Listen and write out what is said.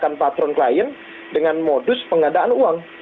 menggunakan patron klien dengan modus pengadaan uang